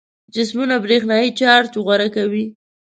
جسمونه برېښنايي چارج غوره کوي.